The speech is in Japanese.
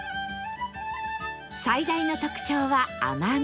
最大の特徴は甘み